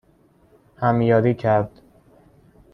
همیاری کرد